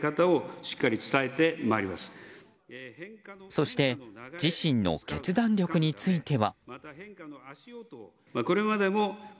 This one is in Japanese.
そして自身の決断力については。